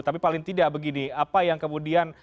tapi paling tidak begini apa yang kemudian